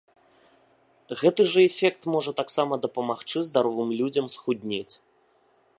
Гэты жа эфект можа таксама дапамагчы здаровым людзям схуднець.